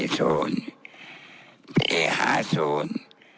ปี๕๐